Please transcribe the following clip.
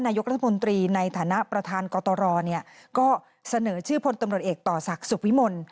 นายกรัฐมนตรีในฐานะประธานกตรก็เสนอชื่อพลตำรวจเอกต่อศักดิ์สุขวิมล